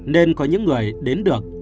nên có những người đến được